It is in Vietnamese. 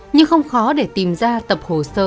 nhưng không khó để tìm ra tập hồ sơ